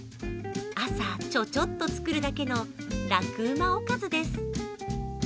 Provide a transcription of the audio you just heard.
朝、ちょちょっと作るだけのラクうまおかずです。